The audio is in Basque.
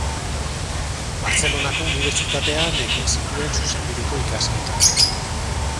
Bartzelonako Unibertsitatean egin zituen Zuzenbideko ikasketak.